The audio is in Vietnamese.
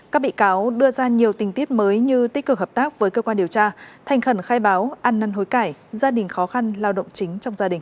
các bị cáo đưa ra nhiều tình tiết mới như tích cực hợp tác với cơ quan điều tra thành khẩn khai báo ăn năn hối cải gia đình khó khăn lao động chính trong gia đình